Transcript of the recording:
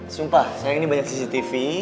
sumpah saya ini banyak cctv